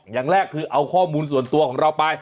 อย่างแรกคือเอาข้อมูลส่วนตัวของเราไป